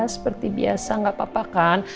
seperti biasa gak papa kan